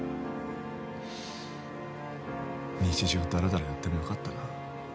日常をダラダラやってもよかったな。